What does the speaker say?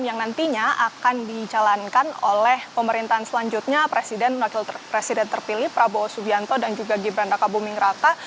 yang nantinya akan dijalankan oleh pemerintahan selanjutnya presiden terpilih prabowo subianto dan juga gibrandaka bumingrata